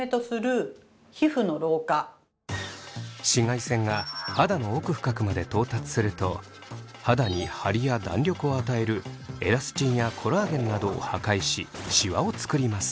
紫外線が肌の奥深くまで到達すると肌にハリや弾力を与えるエラスチンやコラーゲンなどを破壊しシワを作ります。